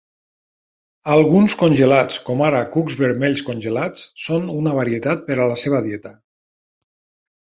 Alguns congelats, com ara cucs vermells congelats, són una varietat per a la seva dieta.